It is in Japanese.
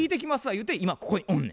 言うて今ここにおんねん。